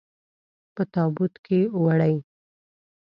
په تابوت کې وړئ.